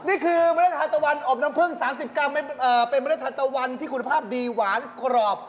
นี่คือเมล็ดทานตะวันอบน้ำพึ่ง๓๐กรัมเป็นเมล็ดทานตะวันที่คุณภาพดีหวานกรอบ